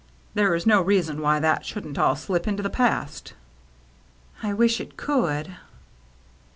There is no reason why that shouldn't all slip into the past." " I wish it could."